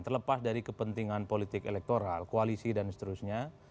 terlepas dari kepentingan politik elektoral koalisi dan seterusnya